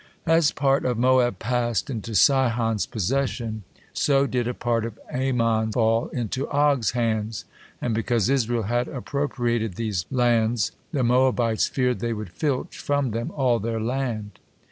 As part of Moab passed into Sihon's possession so did a part of Ammon fall into Og's hands, and because Israel had appropriated these land, the Moabites feared they would filch from them all their land.